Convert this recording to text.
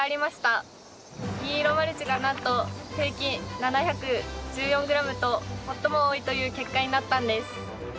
銀色マルチがなんと平均７１４ｇと最も多いという結果になったんです。